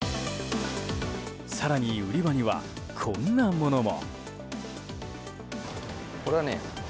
更に売り場には、こんなものも。